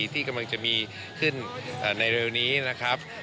ที่กำลังจะมีขึ้นในเร็วนี้นะครับ